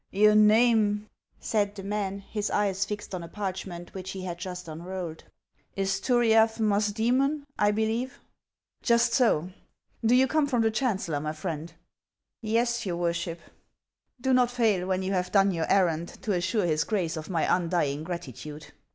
" Your name," said the man, his eyes fixed on a parch ment which he had just unrolled, " is Turiaf Musdoemon, I believe." " Just so. Do you come from the chancellor, my friend ]"" Yes, your worship." "Do not fail, when you have done your errand, to assure his Grace of my undying gratitude."